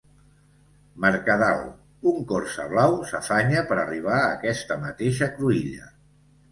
Mercadal un Corsa blau s'afanya per arribar a aquesta mateixa cruïlla.